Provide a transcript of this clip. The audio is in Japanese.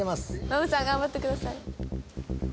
ノブさん頑張ってください。